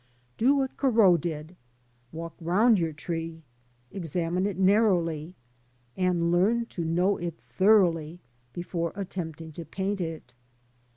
Do what Corot did. Walk round your tree, examine it narrowly, and learn to know it thoroughly before attempting to paint it.